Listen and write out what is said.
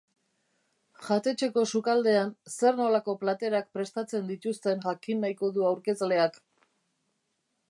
Jatetxeko sukaldean zer-nolako platerak prestatzen dituzten jakin nahiko du aurkezleak.